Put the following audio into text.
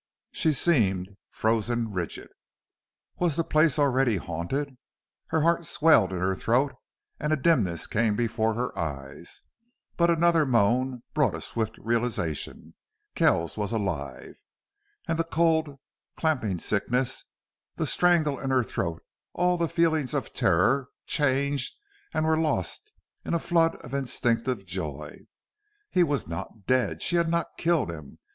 She seemed frozen rigid. Was the place already haunted? Her heart swelled in her throat and a dimness came before her eyes. But another moan brought a swift realization Kells was alive. And the cold, clamping sickness, the strangle in her throat, all the feelings of terror, changed and were lost in a flood of instinctive joy. He was not dead. She had not killed him.